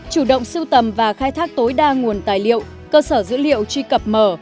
chủ động sưu tầm và khai thác tối đa nguồn tài liệu cơ sở dữ liệu truy cập mở